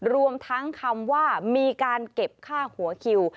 รวมทั้งคำว่ามีการเก็บค่าหัวคิว